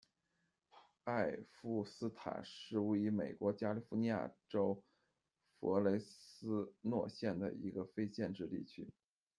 艾夫斯塔是位于美国加利福尼亚州弗雷斯诺县的一个非建制地区。